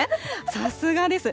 さすがです。